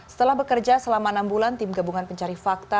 setelah bekerja selama enam bulan tim gabungan pencari fakta